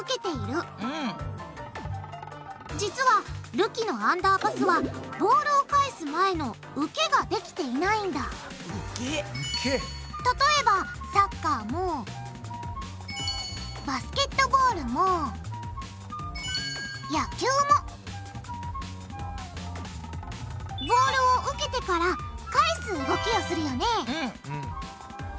実はるきのアンダーパスはボールを返す前の例えばサッカーもバスケットボールも野球もボールを受けてから返す動きをするよね